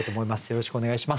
よろしくお願いします。